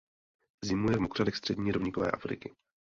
Zimuje v mokřadech střední rovníkové Afriky.